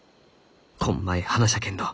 こんまい花じゃけんど